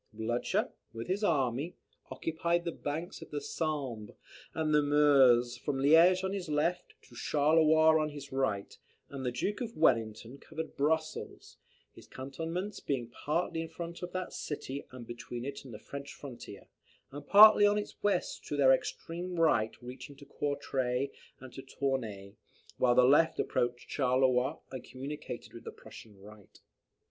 Blucher, with his army, occupied the banks of the Sambre and the Meuse, from Liege on his left, to Charleroi on his right; and the Duke of Wellington covered Brussels; his cantonments being partly in front of that city and between it and the French frontier, and partly on its west their extreme right reaching to Courtray and Tournay, while the left approached Charleroi and communicated with the Prussian right.